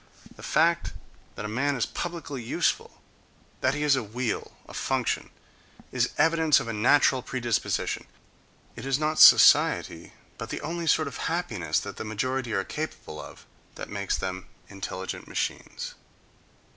The fact that a man is publicly useful, that he is a wheel, a function, is evidence of a natural predisposition; it is not society, but the only sort of happiness that the majority are capable of, that makes them intelligent machines.